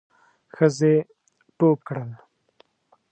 ښځې ټوپ کړل.